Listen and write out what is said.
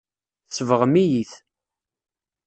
Tsebɣem-iyi-t.